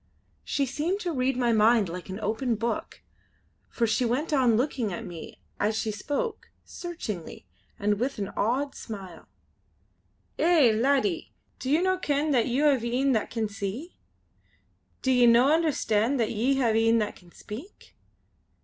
She seemed to read my mind like an open book, for she went on looking at me as she spoke, searchingly and with an odd smile. "Eh! laddie, do ye no ken that ye hae een that can see? Do ye no understand that ye hae een that can speak?